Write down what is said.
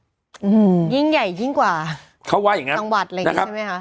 อืมยิ่งใหญ่ยิ่งกว่าเขาว่าอย่างงั้นจังหวัดอะไรอย่างงี้ใช่ไหมคะ